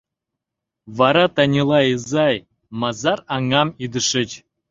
— Вара, Танила изай, мызар аҥам ӱдышыч?